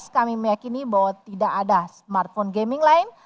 kami meyakini bahwa tidak ada smartphone gaming lain